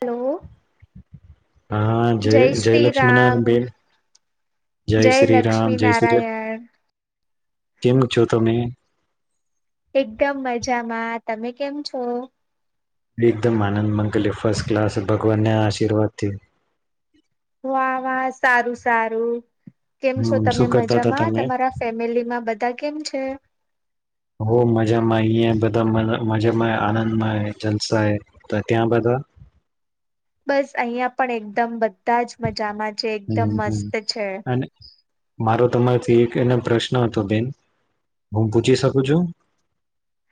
Hello. હા જય જય શ્રી રામ લક્ષ્મણણ બેેન જય શ્રી રામ લક્ષ્મી જય શ્રી રા નારાયણ કેમ છો તમે? એકદમ મજામાં તમે કેમ છો? એકદમ આનંદ મંગલી ફર્સ્ટ ક્લાસ ભગવાનને આ આશીર્વાદથી. વાહ-વાહ. સારું-સારું. કેમ છો હમ તમે શું કરતા હતા મજામાં. તમે તમારા ફેમિલીમાં બધા કેમ છે? ધા મન મજામાં આનંદમાંય જલસા તો ત્યાં બધા? બસ અહિયાં પણ એકદમ બધા જ મજામાં. છે એકદમ હમ હમ મસ્ત છે. અને મારો તમારથી એક એનો પ્રશ્ન હતો બેન હું પૂછી શકું છું?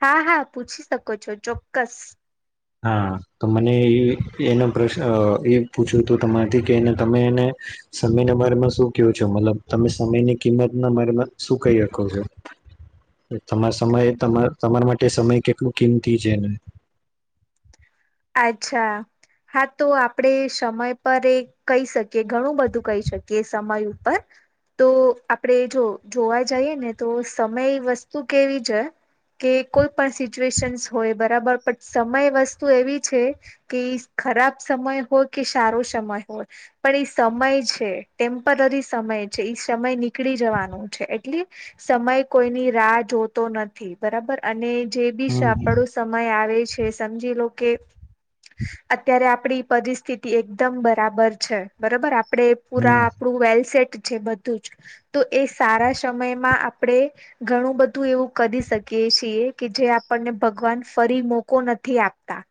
હા-હા પૂછી શકો છો ચોક્કસ. હા તો મને એ એનો પ્રશ્ન એ પૂછવું હતું તમારાથી કે એને તમે એને સમયના બારામાં શું કહો છો મતલબ તમે સમયની કિંમતના બમાં શું કહી હકો છો તમારા સમય તમા તમારા માટે સમય કેટલું કિંમતી છે એને આચ્છા હા તો આપડે સમય પર એ કહી શકીએ ઘણું બધું કહી શકીએ સમય ઉપર તો આપડે જો જોવા જઈએ ને તો સમય વસ્તુ કેવી છે, કે કોઈ પણ સિચ્યુએશન્સ હોય બરાબર પણ સમય વસ્તુ એવી છે કે ખરાબ સમય હોય કે સારો સમય હોય, પણ એ સમય છે ટેમ્પરરી સમય છે એ સમય નીકળી જવાનો છે, એટલે સમય કોઈની રાહ જોતો નથી બરાબર અને જે બી હમ સાપડો સમય આવે છે સમજી લોકે અત્યારે આપ પરી પરિસ્થિતિ એકદમ બરાબર છે બરોબર આપ પડે પુરા હમ આપડુ વેલ સેટ છે બધું જ તો એ સારા સમયમાં આપડે ઘણું બધું એવું કદી શકીએ છીએ કે જે આપણને ભગવાન ફરી મોકો નથી આપતા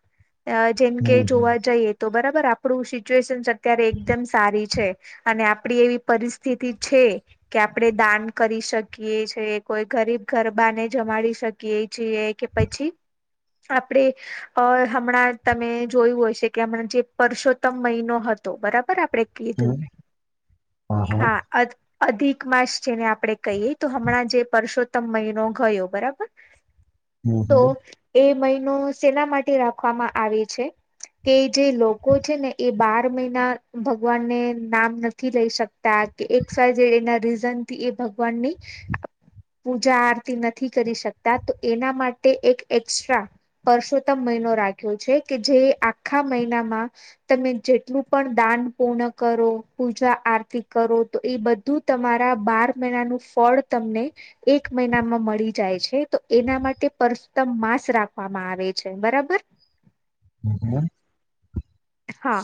અ જેમ કે હમ જોવા જઈએ તો બરાબ બર આપડુ સિચ્યુએશન અત્યારે એકદમ સારી છે અને આપડી એવી પરિસ્થિતિ છે, કે આપડે દાન કરી શકીએ છે, કોઈ ગરીબ ગરબાને જમાડી શકીએ છીએ કે પછી આપડે અ હમણાં તમે જોયું હોય છે કે અ જે પરસોત્તમ મહિનો હતો બરાબ બર આપડે કીધું હમ હા અત અધિક માસ જેને આપડે કહીએ તો હમણાં જે પરસોત્તમ મહિનો ગયો બરાબર હમ તો હમ એ મય. નું સેલા માટે રાખવામાં આવી છે કે જે લોકો છે ને એ બાર મહિના ભગવાનને નામ નથી લઈ શક તા કે એક્સ વાય ઝેડ એના રૂઝ તન થી એ ભગવાનની પૂજા આરતી નથી કરી શકતા તો એના માટે એક એસ્ટ્રા પરસોત્તમ મહિનો રા. કે જે આખા મહિનામાં તમે જેટલું પણ દાન પૂર્ણ કરો પૂજા આરતી કરો તો એ બધું તમારા બાર મહિનાનું ફળ તમને એક મહિનામાં મળી જાય છે તો એના માટે પરસોત્તમ માસ રાખવામાં આવે છે બરાબર. હમ હમ. હા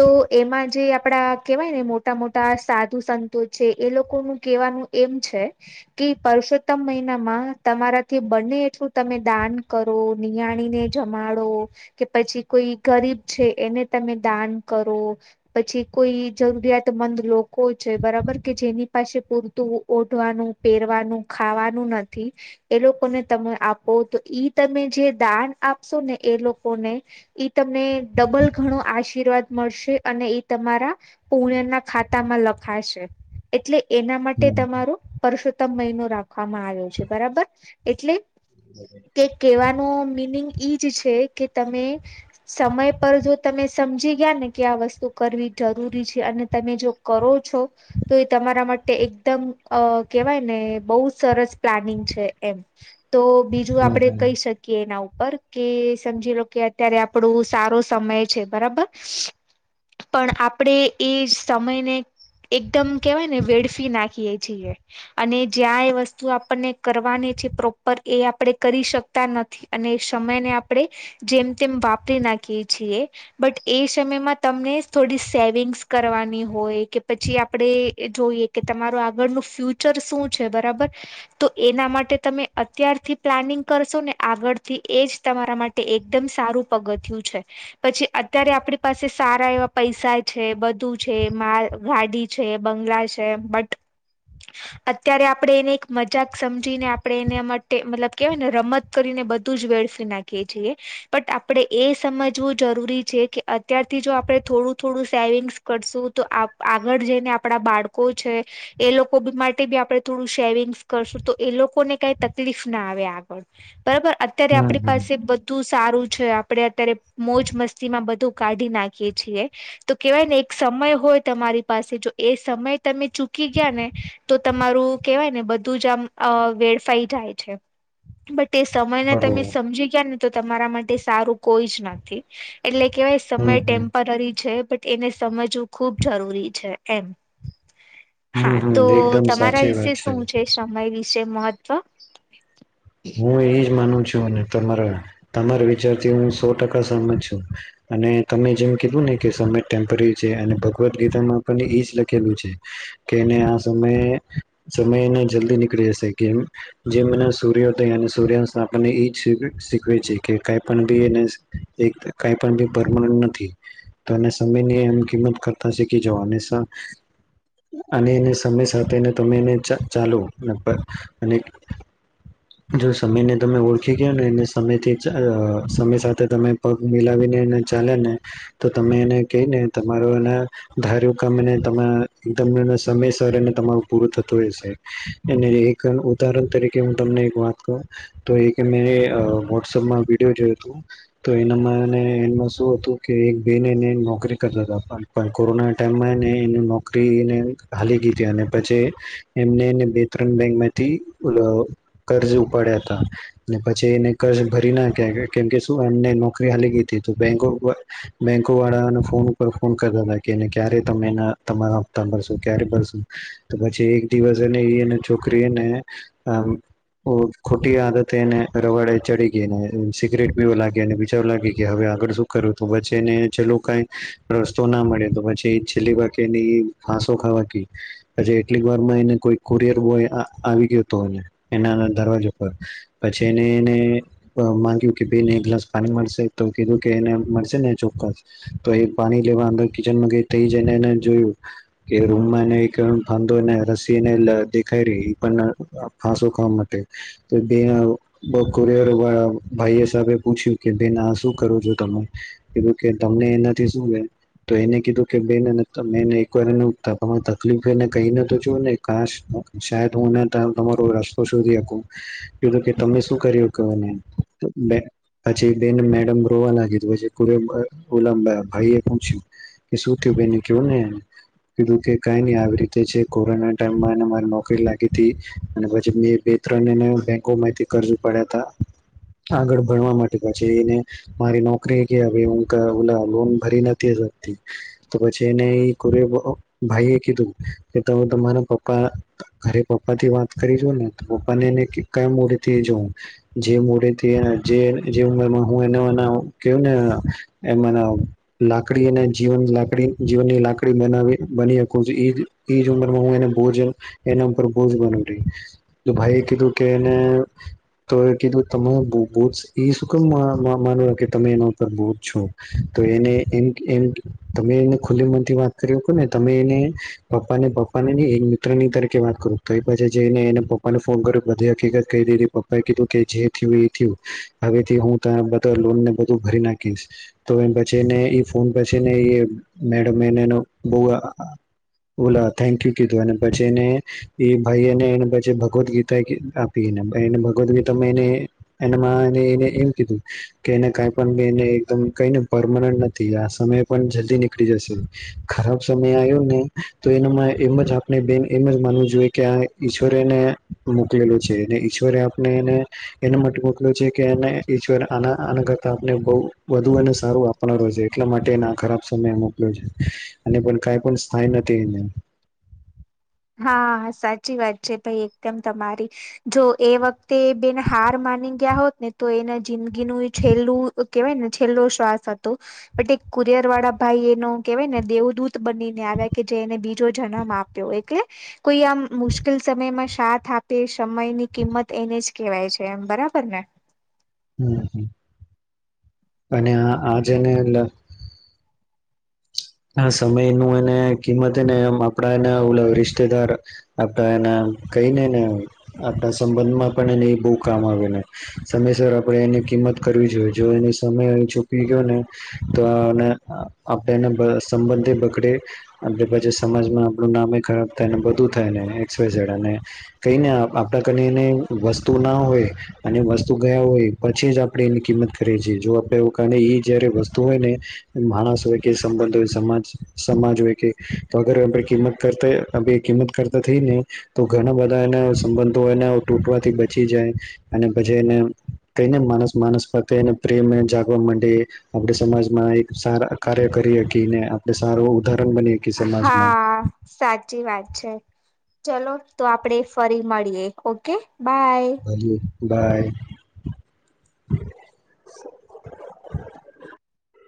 તો એમાં જે આપડા કેવાય ને મોટા મોટા સાધુ સંતો છે એ લોકોનું કેહેવાનું એમ છે કે પરષોત્તમ મહિનામાં તમારાથી બંને એટલું તમે દાન કરો નિયાનીને જમાડો કે પછી કોઈ ગરીબ છે. એ તમે દાન કરો પછી કોઈ જરૂરિયાતમંદ લોકો છે બરાબર કે જેની પાસે પૂરતું ઓઢવાનું પહેરવાનું ખાવાનું નથી એ લોકોને તમે આપો તો ઈ તમે જે દાન આપશો ને એ લોકોને ઈ તમને ડબલ ઘણો આશીર્વાદ મળશે અને એ તમારા પુણ્યના ખાતામાં લખાશે એટલે એના માટે તમારો પરસોત્તમ મહિનો રા ખવામાં આયો છે બરાબર એટલે કે કેવા નો મિનિંગ ઈજ છે કે તમે સમય પર જો તમે સમજી ગયા ને કે આ વસ્તુ કરવી જરૂરી છે અને તમે જો કરો છો તો એ તમારા માટે એકદમ અ કેવાય ને બહુ સરસ પ્લાનિંગ છે એમ તો હમ બીજું આપડે હમ કહી શકીએ એના ઉપર કે સમજી લો કે અત્યારે આપડુ સારો સમય છે બરાબર પણ આપડે એ સમયને એકદમ કેવાયને વેડફી નાખીએ છીએ અને જ્યાં એ વસ્તુ આપણને કરવાની છે પ્રોપર એ આપડે કરી શકતા નથી અને સમયને આપડે જેમ તેમ વાપરી નાખીએ છીએ. બટ એ સમયમાં તમને થોડી સેવિંગ્સ કરવાની હોય કે પછી આપડે જોઈએ કે તમારું આગળનું ફ્યુચર શું છે બરાબર તો એના માટે તમે અત્યારથી પ્લાનિંગ કરશો ને આગળથી એ જ તમારા માટે એકદમ સારું પગથિયું છે પછી અત્યારે આપણી પાસે સારા એવા પૈસા છે બધું છે માલ ગાડી છે બંગલા છે બટ અત્યારે આપણે એને એક મજાક સમજીને આપણે એને માટે મતલબ કેહેવાય ને રમત કરીને બધું જ વેળફી નાખીએ છીએ બટ આપણે એ સમજવું જરૂરી છે કે અત્યારથી જો આપણે થોડું થોડું સેવિંગ્સ કરશું તો આ આગળ જઈને આપણા બાળકો છે એ લોકો માટે બી આપણે થોડું સેવિંગ્સ કરશું તો એ લોકોને કઈ તકલીફ ના આવે આગળ બરોબર અત્યારે હમ આપણી હમ પાસે બધું સારું છે આપણે અત્યારે મોજ મસ્તીમાં બધું કાઢી નાખીએ છીએ તો કેવાય ને એક સમય હોય તમારી પાસે જો એ સમય તમે ચૂકી ગયા ને તો તમારું કેહેવાય ને બધું જ આમ વેડફાઈ જાય છે તે સમયને તમે બરોબર સમજી ગયા નથી તો તમારા માટે સારું કોઈ જ નથી થી એટલે કેવાય સમય હમ હમ ટેમ્પરરી છે બટ એને સમજવું ખૂબ જરૂરી છે એમ હમ હા હમ તો એકદમ તમારા સાચી વિશે વાત શું છે સમય વિશે મહત્વ [unintelligible] [inaudible] હું એજ માનું છું અને તમારા તમારા વિચાર થી હું સો ટકા સહમત છું અને તમે જેમ કીધું ને કે સમય ટેમ્પરરી છે અને ભગવદ્ ગીતામાં પણ એજ લખેલું છે કે એ આ સમયે સમયને જલ્દી નીકળી જશે કેમ જેમ સુયોદય અને સૂર્યાસ્ આપણને ઇજ એ જ શીખવે છે કે કઈ પણ બી એને કઈ પણી પરમન નથી તમે સમયની એમ કિંમત કરતા શીખી જાવાનું અને સ અને એને સમય સાથેને તમે એને ચાલો અને જો સમય તમે ઓળખી ગયોને એ સમયથી સમય સાથે તમે પગ મિલાવીને એને ચાલે ને તો તમે એને કહીને તમારો એના ધાર્યું કામને એકદમ સમયસરને તમારું પૂરું થતું રહેશે અને એક ઉદાહરણ તરીકે હું તમને વાત ક‌ઉ તો એક મેં વોટસઅપમાં વિડીયો જોવયોતુ તો એના એમાં એને શું હતું કે એક બે નોકરી કરતા કોરોના ટાઈમ માં એન નોકરીને હાલી ગ‌ઈ ત્યાં અને પછી એમને બે ત્રણ બેંકમાંથી લોન કર્જ ઉપાડ્યા હતા ને પછી એને કર્જ ભરી નાખ્યા કેમકે શું એમને નોકરી હાલી ગઈ તી તો બેંકો અ બેંકો વાળાને ફોન ઉપર ફોન કરતા હતા કેને ક્યારે તમે તમારા હપતા ભરશો ક્યારે ભરશો તો પછી એક દિવસ એને એ છોકરી ને ખો ખોટી આદતે એને રવાડે ચડી ગઈ ને સિગરેટ પીવા લાગીને બીજાર લાગી કે હવે આગળ શું કર્યું હત પછી એને છેલ્લો કઈ રસ્તો ના મળે તો પછી છેલ્લી બાકી એની ફાંસો ખાવા ગી પછી એટલીક વારમાં એને કોઈ કુરિયર બોય અ આવી ગયો હતોને એના દરવાજા પર પછી એને એને માંગ્યું કે બેન એક ગ્લાસ પાણી મળશે તો કીધું કે એને મળશે ને ચોક્કસ તો એ પાણી લેવા અંદર કિચનમાં ગઈ થઈ જને એને જોયું કે રૂમમાં એને ફંધોને રસીને દેખાય રહી એ પણ ફાંસો ખાવા માટે રયર ભાઈએ સાહેબ પૂછ્યું કે બેન આ શું કરો છો તમે કીધું કે તમને એનાથી શું તો એને કીધું કે બેન એક વાર તકલીફને કઈને તો જોુ ને ક શદ હુંને તમારો રસ્તો શોધી આપકું કે [inaudible] તમે શું કર્યું કે પછી બે મેડમ રોવા લાગી ઓ ભાઈ એ પૂછ્યું કે શું થયું બેને કું ને કીધું કે કઈ ન આવી રીતે કોરોના ટાઈમ નોકરી લાગી હતી પછ મે બે પણ એને બેંકો માંથી કરજ ઉપડ્યા હતા આગળ ભણવા માટેછ એને મારી નોકરી કે ભાઈ બલા લોન ભરી નથી શકતી તો પછી એને ઈ કુરિયર ભાઈ એ કીધું કે તમે તમારા પપ્પા ઘરે પપ્પા થી વાત કરીજો ને પપ્પા એને ક્યાં મોઢું થી જોઉ જે મોઢે થી અ જે જે ઉંમરમાં હું એના કેઉ ને એમાં લાકડી ના જીવન લાકડી જીવનની લાકડી બનાવી બની હકું ઇજ ઉંમરમાં હ એને બોઝ‌ એના ઉપર બોઝ બનુરી તો ભાઈ એ કીધું કે એને તો એ કીધું તમે બહુ જ ઈ સુકમ માં માનવા કે તમે એના ઉપર બોઝ છો તો એને એ એમ તમે એને ખુલ્લી મનથી વાત કર ને તમે એને પપ્પા ને પપ્પા ને ને એક મિત્ર ની તરીકે વાત કરો તો એ પાછ જઈને એને પપ્પા મને ફોન કરી ને બધી હકીકત કહી દીધી પપ્પા એ કીધું કે જે થયું એ થયું હવેથી હું ત બધ લોન ને બધું ભરી નાખીશ તો એેને એ ફોન પછીને મેડમ એ બ બોલા થેન્ક યુ કીધું પેને એ ભાઈને પ ભગવત ગીતા આપી ભગવદ ગીતામાંને એને એમ કીધું કે એને ક પણ ક પરમનન્ટ સમય પણ જલ્દી નિકળી જશે ખરાબ સમય આવ્યો ને તો એના એમ જ આપણે બેન એમ જ માનવું જોઈએ કે આ ઈશ્વરેને મોકલેલો છે અને ઈશ્વરે આપને એને એના માટે મોકલો છે કે એને ઈશ્વર આ આના કરતા આપને બહુ વધુ અને સારું આપનાર છે એટલા માટેના ખરાબ સમયમાં અને પણ કઈ પણ સ્થાય નથી હા સાચી વાત છે ભાઈ એકદમ તમારી જો એ વખતે બેન હાર માની ગયા હોત ને તો એને જિંદગી નું છેલ્લું કેવાયને છેલ્લો શ્વાસ હતો બટ એક કુરિયર વાળા ભાઈ એનો કેવાય ને દેવદૂત બનીને આવ્યા કે જેને બી જો જન્મ આપ્યો એક કોઈ આમ મુશ્કેલ સમયમાં સાથ આપે છે સમય ની કિંમત એને જ કેવાય છે એમ બરાબર ને. હમ્મ અને આ આજને સમય ન એને કિંમતનેમ આપણા એને ઓ રિસ્તેદાર આપડા એના કઈ ને ને આપણા સંબંધમાં પણ એને બહુ કામ આવે ને સમયસર આપણે એની કિંમત કરવી જોઈએ જો એને સમય ચૂકી ગયો ને તો આપણે એને સંબંધ બગડે અટલે પછી સમાજમાં આપણું નામે ખરાબ થાય બધું થાયને એક્સ વાય ઝેડ અને કઈને આપડા [unintelligible] ને વસ્તુ ના હોય અને વસ્તુ ગયા હોય પછી જ આપણે એની કિંમત કરીએ છીએ જો આપડે એવું કારણે એ જયારે વસ્તુ હોય ને માણસ હોય કે સંબંધ હોય સમાજ સમાજ હોય કે તો અગર આપ કિંમત કરતા કિંમત કરતા થઈ ને તો ઘણા બધા એના સંબંધો એના તૂટવાથી બચી જાય અને પછી એને કને માનસ માણસ પ્રતે એને પ્રેમને જાગવા માંડી આપણે સમાજમાં એક સારા કાર્ય કરી ને આપડે સારો ઉધા હા સાચી વાત છે. ચલો તો આપડે ફરી મળીએે ઓકે. બાય. ભલે બાય.